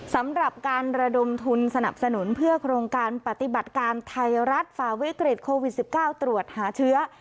สำหรับการระดมทุนสนับสนุนเพื่อโครงการปฏิบัติการไทยรัฐฝ่าวิกฤตโควิด๑๙ตรวจหาเชื้อ